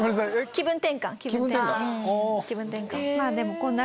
気分転換。